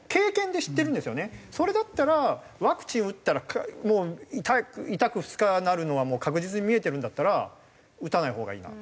それだったらワクチン打ったらもう痛く２日なるのは確実に見えてるんだったら打たないほうがいいな。